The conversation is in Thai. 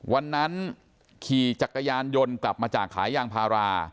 วันนั้นขี่จักรยานยนต์กลับมาจากขายยางพารา